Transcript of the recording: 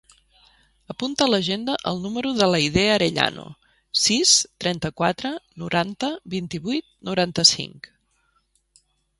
Apunta a l'agenda el número de l'Aidé Arellano: sis, trenta-quatre, noranta, vint-i-vuit, noranta-cinc.